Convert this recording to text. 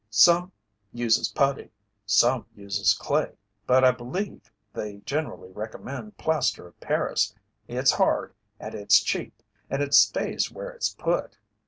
"Some uses putty, some uses clay, but I believe they generally recommend plaster of Paris. It's hard, and it's cheap, and it stays where it's put."